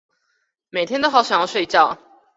每天都好想要睡覺